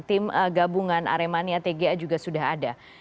tim gabungan aremania tga juga sudah ada